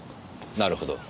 なるほど。